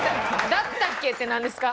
「だったっけ？」ってなんですか？